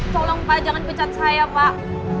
tolong pak jangan pecat saya pak